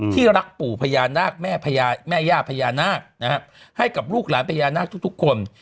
รักปู่พญานาคแม่ย่าพญานาคให้กับลูกหลานพญานาคทุกคน